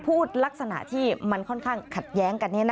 พูดลักษณะที่มันค่อนข้างขัดแย้งกัน